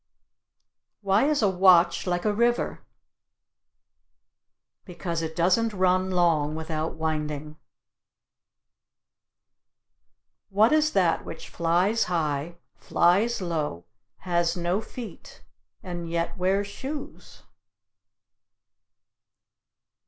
Why is a watch like a river? Because it doesn't run long without winding. What is that which flies high, flies low, has no feet, and yet wears shoes?